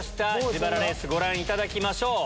自腹レースご覧いただきましょう。